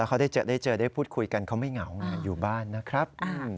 เขาได้เจอได้พูดคุยกันเขาไม่เหงาไงอยู่บ้านนะครับ